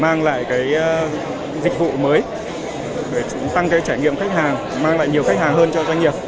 mang lại dịch vụ mới tăng trải nghiệm khách hàng mang lại nhiều khách hàng hơn cho doanh nghiệp